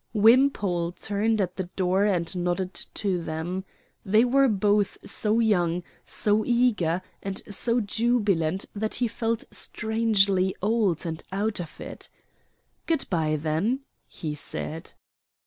Wimpole turned at the door and nodded to them. They were both so young, so eager, and so jubilant that he felt strangely old and out of it. "Good by, then," he said.